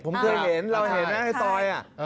ผมเคยเห็นเราเห็นนะไอ้ตอยอ่ะ